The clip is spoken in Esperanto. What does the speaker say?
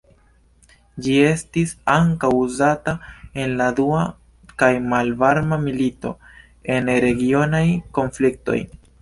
Ĝi estis ankaŭ uzata en la dua kaj malvarma milito, en regionaj konfliktoj.